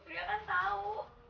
pembelian kan tahu